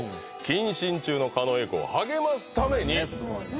「謹慎中の狩野英孝を励ますために」